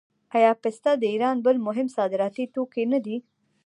آیا پسته د ایران بل مهم صادراتي توکی نه دی؟